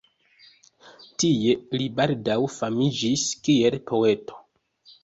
Tie li baldaŭ famiĝis kiel poeto.